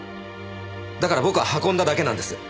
だから僕は運んだだけなんです。